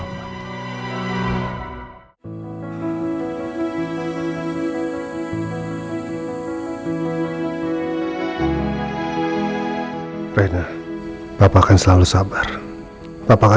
rina bapak selalu sabar bapak akan